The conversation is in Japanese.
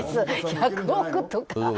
１００億とか。